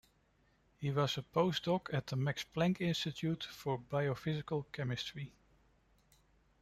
He was a Postdoc at the Max Planck Institute for Biophysical Chemistry.